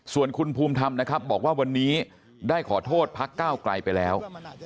ส่วนคุณภูมิธรรมนะครับบอกว่าวันนี้ได้ขอโทษพักก้าวไกลไปแล้ว